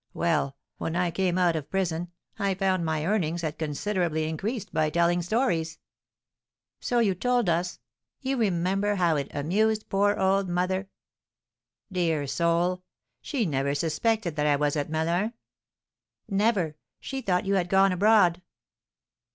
Well, when I came out of prison, I found my earnings had considerably increased by telling stories." "So you told us. You remember how it amused poor old mother?" "Dear soul! She never suspected that I was at Melun?" "Never. She thought you had gone abroad."